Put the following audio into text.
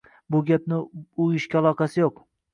Bu gapni u ishhga aloqasi yo'q.